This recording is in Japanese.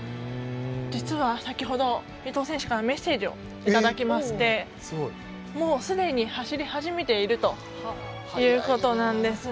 実は先ほど、伊藤選手からメッセージをいただきましてすでに走り始めているということなんです。